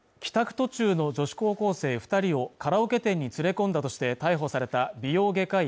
途中の女子高校生二人をカラオケ店に連れ込んだとして逮捕された美容外科医